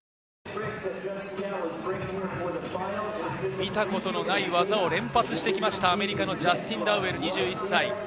見たことのない技を連発してきました、アメリカのジャスティン・ダウエル、２１歳。